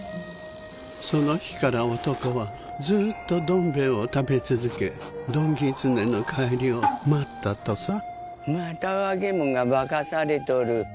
その日から男はずーっと「どん兵衛」を食べ続けどんぎつねの帰りを待ったとさまた若えもんが化かされとる。